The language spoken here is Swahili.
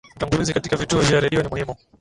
utangulizi katika vituo vya redio ni muhimu